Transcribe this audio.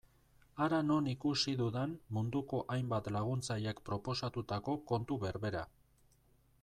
Hara non ikusi dudan munduko hainbat laguntzailek proposatutako kontu berbera.